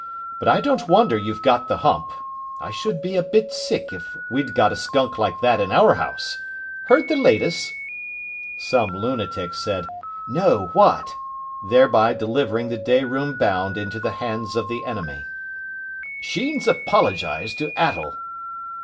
"But I don't wonder you've got the hump. I should be a bit sick if we'd got a skunk like that in our house. Heard the latest?" Some lunatic said, "No. What?" thereby delivering the day room bound into the hands of the enemy. "Sheen's apologised to Attell."